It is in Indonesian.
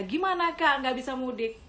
gimana kak gak bisa mudik